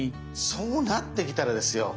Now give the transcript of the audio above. そうなってきたらですよ。